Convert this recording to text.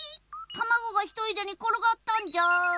たまごがひとりでにころがったんじゃーん。